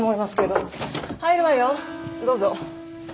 どうぞ。